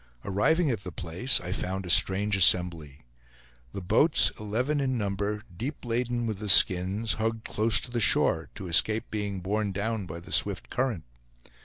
Arriving at the place, I found a strange assembly. The boats, eleven in number, deep laden with the skins, hugged close to the shore, to escape being borne down by the swift current.